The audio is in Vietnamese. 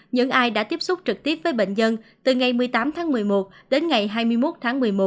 những ai đã tiếp xúc trực tiếp với bệnh nhân từ ngày một mươi tám tháng một mươi một đến ngày hai mươi một tháng một mươi một